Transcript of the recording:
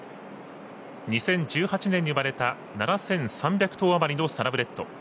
２０１８年に生まれた７３００頭余りのサラブレッド。